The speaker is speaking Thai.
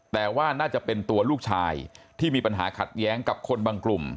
แต่ว่าน่าจะเป็นตัวลูกชายที่มีปัญหาขัดแย้งกับคนบางกลุ่ม